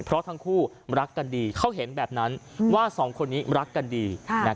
เพราะทั้งคู่รักกันดีเขาเห็นแบบนั้นว่าสองคนนี้รักกันดี